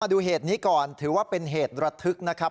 ดูเหตุนี้ก่อนถือว่าเป็นเหตุระทึกนะครับ